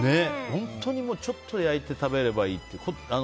本当にちょっと焼いて食べればいいって。